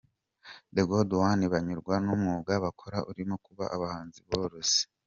The Good Ones banyurwa n’umwuga bakora urimo kuba abahinzi borozi.